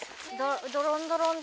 ドロンドロンだ。